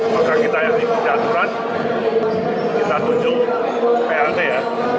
maka kita yang diperjaduran kita tunjuk plt ya